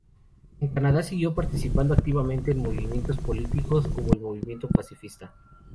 En Canadá siguió participando activamente en movimientos políticos como el movimiento pacifista.